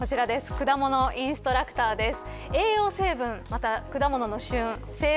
果物インストラクターです。